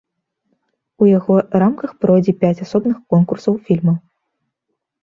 У яго рамках пройдзе пяць асобных конкурсаў фільмаў.